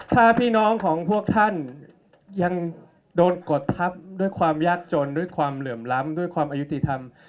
ถ้าพี่น้องของพวกท่านยังโดนกดทับด้วยความยากจนด้วยความเหลื่อมล้ำด้วยความอายุติธรรม